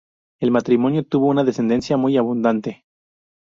El matrimonio tuvo una descendencia muy abundante.